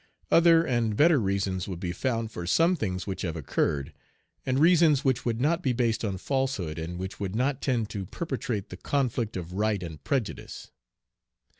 Other and better reasons would be found for some things which have occurred, and reasons which would not be based on falsehood, and which would not tend to perpetuate the conflict of right and prejudice.